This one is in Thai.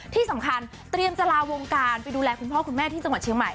ที่สำคัญเตรียมจะลาวงการไปดูแลคุณพ่อคุณแม่ที่จังหวัดเชียงใหม่